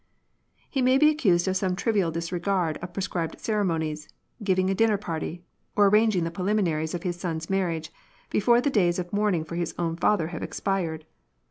He may be accused of some trivial disregard of prescribed cere monies, giving a dinner party, or arranging the preli minaries of his son's marriage, before the days of mourning for his own father have expired.